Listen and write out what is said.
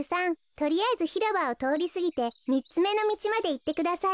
とりあえずひろばをとおりすぎてみっつめのみちまでいってください。